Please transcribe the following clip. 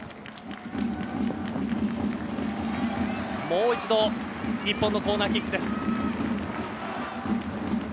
もう一度、日本のコーナーキック。